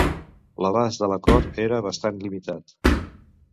L'abast de l'acord era bastant limitat.